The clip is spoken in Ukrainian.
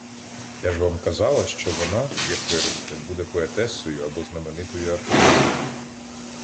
— Я ж вам казала, що вона, як виросте, буде поетесою або знаменитою артисткою.